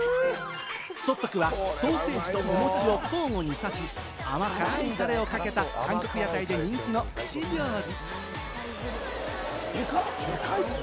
ソットクはソーセージとお餅を交互に刺し、甘辛いタレをかけた韓国屋台で人気の串料理。